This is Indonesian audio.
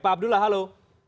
pak abdullah halo